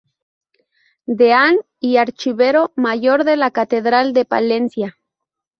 Deán y archivero mayor de la Catedral de Palencia.